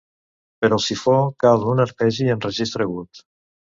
Per al sifó cal un arpegi en registre agut.